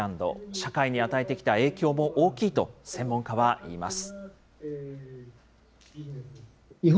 社会に与えてきた影響も大きいと専門家は言います。